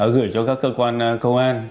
gửi cho các cơ quan công an